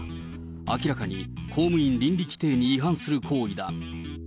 明らかに、公務員倫理規定に違反する行為だ。